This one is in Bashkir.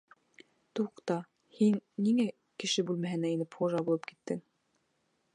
Туҡта, һин ниңә кеше бүлмәһенә инеп хужа булып киттең?